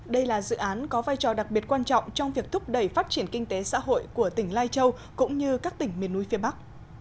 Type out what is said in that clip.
đây là dự án có vai trò đặc biệt quan trọng trong việc thúc đẩy phát triển kinh tế xã hội của tỉnh lai châu cũng như các tỉnh miền núi phía bắc